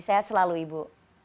sehat selalu ibu